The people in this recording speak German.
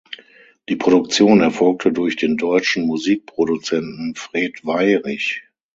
Die Produktion erfolgte durch den deutschen Musikproduzenten Fred Weyrich.